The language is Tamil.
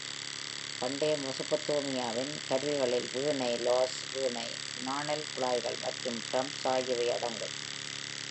பண்டைய மெசொப்பொத்தேமியாவின் கருவிகளில் வீணை, லைர்ஸ், வீணை, நாணல் குழாய்கள் மற்றும் டிரம்ஸ் ஆகியவை அடங்கும்.